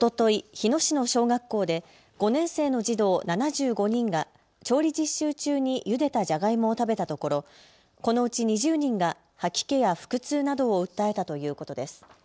日野市の小学校で５年生の児童７５人が調理実習中にゆでたジャガイモを食べたところこのうち２０人が吐き気や腹痛などを訴えたということです。